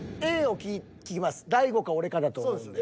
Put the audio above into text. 大悟か俺かだと思うんで。